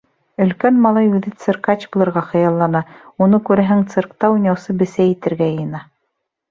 Өлкән малай үҙе циркач булырға хыяллана; уны, күрәһең, циркта уйнаусы бесәй итергә йыйына.